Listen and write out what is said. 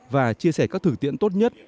và chia sẻ các thử tiện tốt nhất